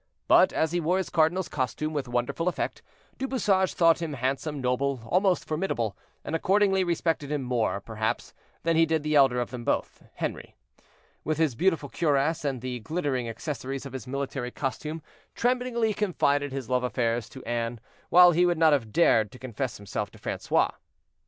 But as he wore his cardinal's costume with wonderful effect, Du Bouchage thought him handsome, noble, almost formidable, and accordingly respected him more, perhaps, than he did the elder of them both. Henri, with his beautiful cuirass, and the glittering accessories of his military costume, tremblingly confided his love affairs to Anne, while he would not have dared to confess himself to Francois.